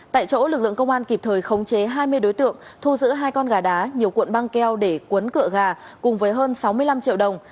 tại chỗ lực lượng công an kịp thời khống chế hai mươi đối tượng thu giữ hai con gà đá nhiều cuộn băng keo để cuốn cựa gà cùng với hơn sáu mươi năm triệu đồng